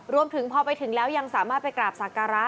รวมถึงพอไปถึงแล้วยังสามารถไปกราบสักการะ